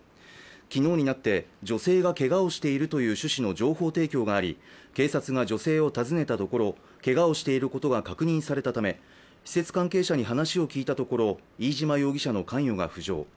昨日になって、女性がけがをしているという趣旨の情報提供があり警察が女性を訪ねたところけがをしていることが確認されたため施設関係者に話を聞いたところ、飯島容疑者の関与が浮上。